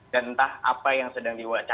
dan entah apa yang sedang diwacarakan